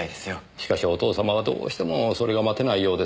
しかしお父様はどうしてもそれが待てないようですねぇ。